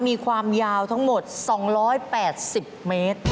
มีความยาวทั้งหมด๒๘๐เมตร